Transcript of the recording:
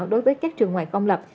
đối với các trường ngoài công lập